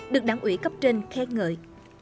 được đảng ủy cấp trên khen ngợi